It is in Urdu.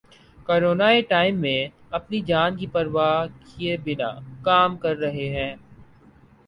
کروناء ٹائم میں اپنی جان کی پرواہ کیے بنا کام کر رہے ہیں۔